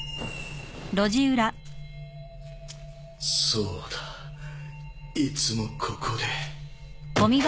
そうだいつもここで。